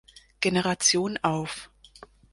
Generation auf.